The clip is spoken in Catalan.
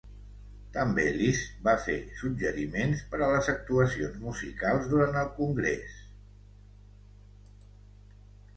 També Liszt va fer suggeriments per a les actuacions musicals durant el Congrés.